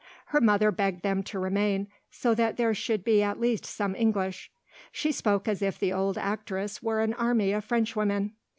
Her mother begged them to remain, "so that there should be at least some English"; she spoke as if the old actress were an army of Frenchwomen.